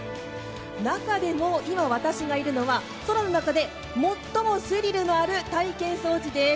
中でも今、私がいるのは空の中で最もスリルがある体験装置です。